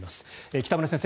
北村先生